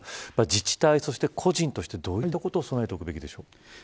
自治体、そして個人としてどういったことに備えておくべきでしょうか。